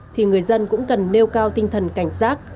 thì người dân cũng cần nêu cao tinh thần cảnh giác